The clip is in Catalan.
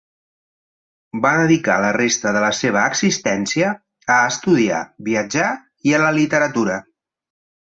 Va dedicar la resta de la seva existència a estudiar, viatjar i a la literatura.